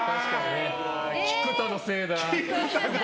菊田のせいだ。